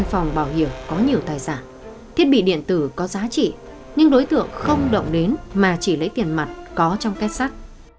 phòng bảo hiểm có nhiều tài sản thiết bị điện tử có giá trị nhưng đối tượng không động đến mà chỉ lấy tiền mặt có trong kết sắt